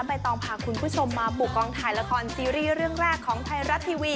ใบตองพาคุณผู้ชมมาบุกกองถ่ายละครซีรีส์เรื่องแรกของไทยรัฐทีวี